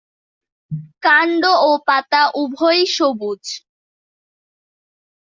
কাণ্ড ও পাতা উভয়ই সবুজ।